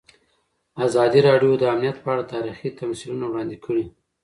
ازادي راډیو د امنیت په اړه تاریخي تمثیلونه وړاندې کړي.